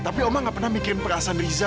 tapi oma gak pernah mikirin perasaan riza